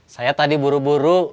saya tadi buru buru